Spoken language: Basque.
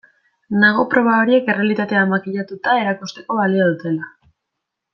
Nago proba horiek errealitatea makillatuta erakusteko balio dutela.